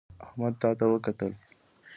احمد تا ته وکتل